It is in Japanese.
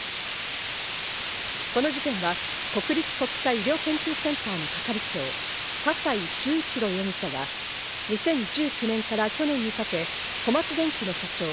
この事件は国立国際医療研究センターの係長、笠井崇一郎容疑者が２０１９年から去年にかけ、小松電器の社長・